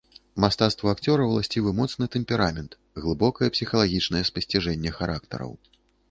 Мастацтву акцёра ўласцівы моцны тэмперамент, глыбокае псіхалагічнае спасціжэнне характараў.